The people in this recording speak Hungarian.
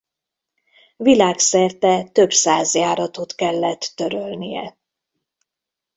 Világszerte több száz járatot kellett törölnie.